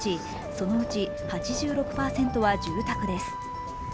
そのうち８６％は住宅です。